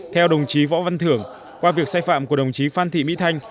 theo đồng chí võ văn thưởng qua việc sai phạm của đồng chí phan thị mỹ thanh